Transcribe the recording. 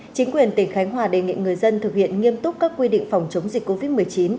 chính quyền tỉnh khánh hòa đề nghị người dân thực hiện nghiêm túc các quy định phòng chống dịch covid một mươi chín